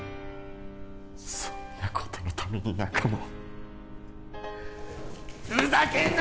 そんなことのために仲間をふざけんな